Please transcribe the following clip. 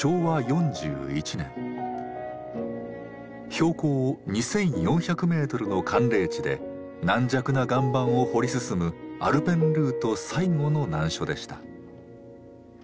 標高２，４００メートルの寒冷地で軟弱な岩盤を掘り進むアルペンルート最後の難所でした。